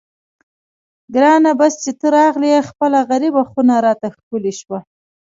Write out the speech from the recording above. ګرانه بس چې ته راغلې خپله غریبه خونه راته ښکلې شوه.